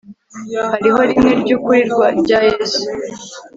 hariho rimwe ry ukuri rya yesu